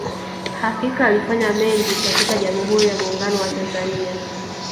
Hakika alifanya mengi katika Jamuhuri ya Muuungano wa Tanzania